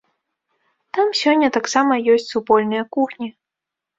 Там сёння таксама ёсць супольныя кухні.